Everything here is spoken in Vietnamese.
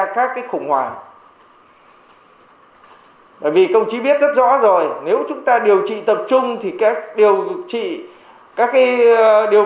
các cái khủng hoảng bởi vì công chí biết rất rõ rồi nếu chúng ta điều trị tập trung thì các điều